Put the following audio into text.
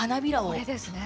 これですね。